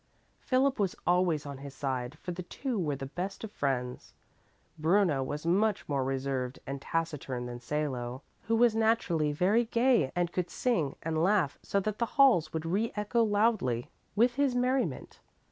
Philip was always on his side, for the two were the best of friends. Bruno was much more reserved and taciturn than Salo, who was naturally very gay and could sing and laugh so that the halls would re echo loudly with his merriment.